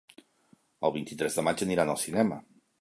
El vint-i-tres de maig aniran al cinema.